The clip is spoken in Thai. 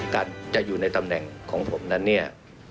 การจะอยู่ในตำแหน่งของผมนั้นเนี่ย